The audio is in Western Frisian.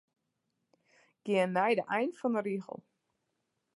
Gean nei de ein fan 'e rigel.